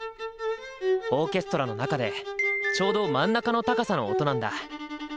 オーケストラの中でちょうど真ん中の高さの音なんだ。